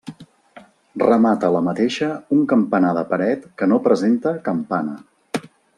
Remata la mateixa un campanar de paret que no presenta campana.